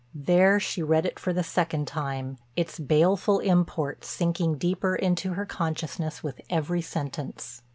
There she read it for the second time, its baleful import sinking deeper into her consciousness with every sentence.